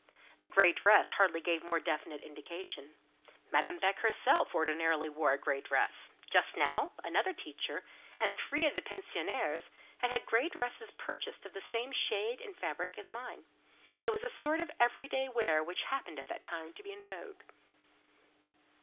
The grey dress hardly gave more definite indication. Madame Beck herself ordinarily wore a grey dress just now; another teacher, and three of the pensionnaires, had had grey dresses purchased of the same shade and fabric as mine: it was a sort of every day wear which happened at that time to be in vogue.